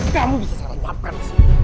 kamu bisa salah papan